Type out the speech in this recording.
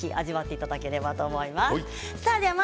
今日も、ぜひ味わっていただければと思います。